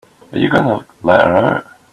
Are you going to let her out?